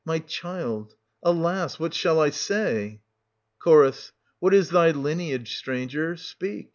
My child — alas !— what shall I say? Ch. What is thy lineage, stranger, — speak